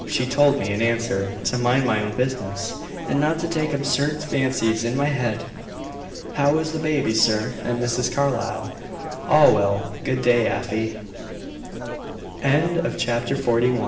She told me, in answer, to mind my own business, and not to take absurd fancies in my head. How is the baby, sir, and Mrs. Carlyle?" "All well. Good day, Afy." CHAPTER XLII. THE TRIAL.